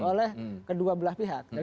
oleh kedua belah pihak